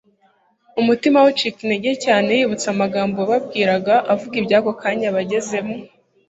Umutima we ucika intege cyane yibutse amagambo yababwiraga avuga iby'ako kanya bagezemo.